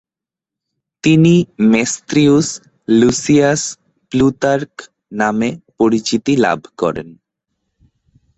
তিনি Mestrius Lucius Plutarch নামে পরিচিতি লাভ করেন।